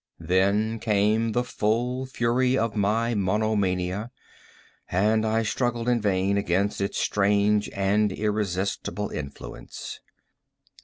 Then came the full fury of my monomania, and I struggled in vain against its strange and irresistible influence.